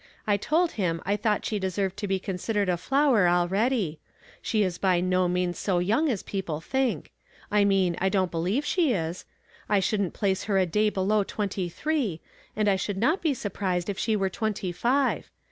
I told him I thought she deserved to be considered a flower already. She is by no means so young as people think. I nii ui I dgn't believe she is, I shouldn't place her a day below twenty three, and I should not be surprised if she were twenty five.